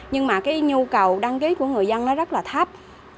nhưng mà cái nhu cầu đăng ký của người dân nó rất là thấp